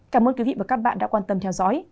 cảm ơn quý vị và các bạn đã quan tâm theo dõi